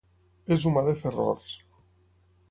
És humà de fer errors.